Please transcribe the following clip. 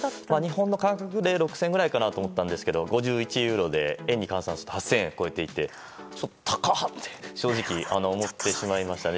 日本の感覚で６０００円ぐらいと思ったんですが５１ユーロで円に換算すると８０００円を超えていてちょっと高っ！と正直、思ってしまいましたね。